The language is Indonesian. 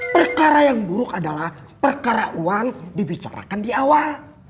perkara yang buruk adalah perkara uang dibicarakan di awal